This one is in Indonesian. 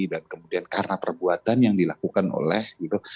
dan kemudian karena perbuatan yang dilakukan oleh